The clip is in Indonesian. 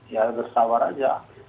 ya bersawar aja